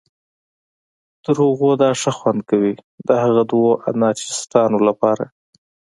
تر هغو دا ښه خوند کوي، د هغه دوو انارشیستانو لپاره.